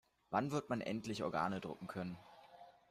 Wann wird man endlich Organe drucken können?